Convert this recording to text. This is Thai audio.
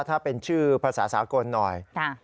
ถ้าเป็นชื่อภาษาสากลหน่อย